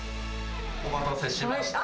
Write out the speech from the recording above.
お待たせしました。